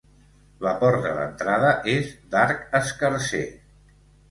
La porta d'entrada és d'arc escarser.